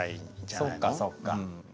そっかそっか。